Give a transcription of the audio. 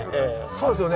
そうですよね？